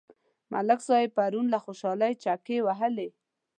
ملک صاحب پرون له خوشحالۍ چکې وهلې.